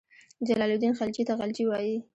جلال الدین خلجي ته غلجي وایي.